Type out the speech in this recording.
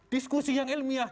diskusi yang ilmiah